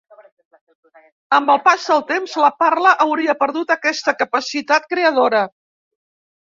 Amb el pas del temps, la parla hauria perdut aquesta capacitat creadora.